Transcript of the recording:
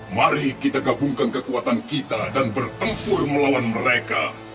mari kita gabungkan kekuatan kita dan bertempur melawan mereka